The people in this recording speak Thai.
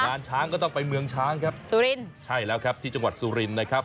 งานช้างก็ต้องไปเมืองช้างครับสุรินใช่แล้วครับที่จังหวัดสุรินทร์นะครับ